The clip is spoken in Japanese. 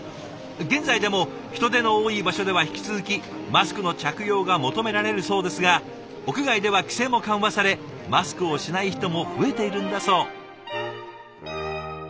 現在でも人出の多い場所では引き続きマスクの着用が求められるそうですが屋外では規制も緩和されマスクをしない人も増えているんだそう。